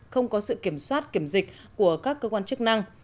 không có sự kiểm soát kiểm dịch của các cơ quan chức năng